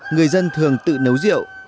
người dân thường tự nấu rượu